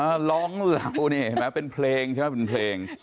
ร้องเหล่านี่เห็นไหมเป็นเพลงใช่ไหมเป็นเพลง